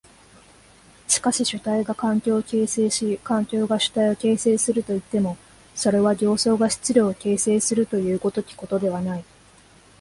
しかし主体が環境を形成し環境が主体を形成するといっても、それは形相が質料を形成するという如きことではない。